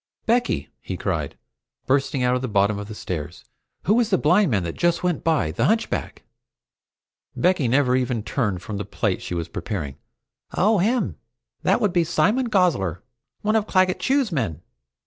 "Becky!" he cried, bursting out at the bottom of the stairs, "Who is the blind man that just went by the hunchback?" Becky never even turned from the plate she was preparing. "Oh, him? That would be Simon Gosler, one of Claggett Chew's men.